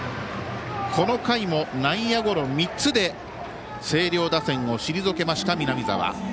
この回も内野ゴロ３つで星稜打線を退けた南澤。